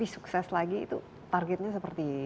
sukses lagi itu targetnya seperti